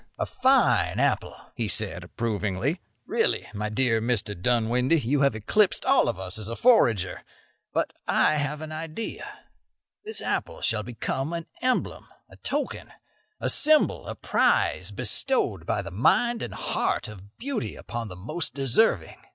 "A fine apple," he said, approvingly. "Really, my dear Mr. Dudwindy, you have eclipsed all of us as a forager. But I have an idea. This apple shall become an emblem, a token, a symbol, a prize bestowed by the mind and heart of beauty upon the most deserving."